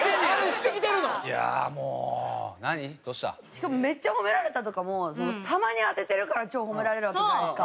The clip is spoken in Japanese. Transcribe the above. しかもめっちゃ褒められたとかもたまに当ててるから超褒められるわけじゃないですか。